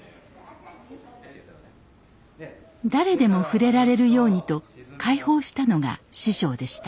誰でも触れられるようにと開放したのが師匠でした。